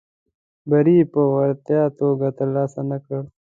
بری یې په وړیا توګه ترلاسه نه کړ.